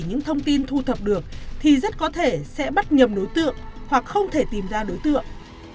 những thông tin thu thập được thì rất có thể sẽ bắt nhầm đối tượng hoặc không thể tìm ra đối tượng